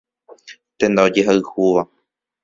Tenda ojehayhúva.